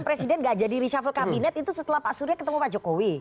presiden gak jadi reshuffle kabinet itu setelah pak surya ketemu pak jokowi